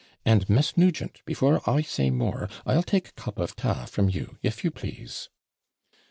And, Miss Nugent, before I say more, I'll take a cup of TA from you, if you please.'